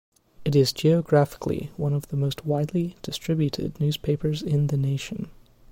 It is geographically one of the most widely distributed newspapers in the nation.